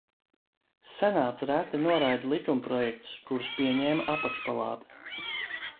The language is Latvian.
Senāts reti noraida likumprojektus, kurus pieņēma apakšpalāta.